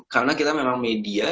karena kita memang media